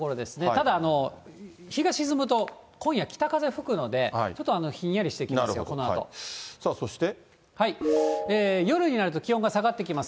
ただ、日が沈むと、今夜、北風吹くので、ちょっとひんやりしてきますよ、このあと。夜になると気温が下がってきます。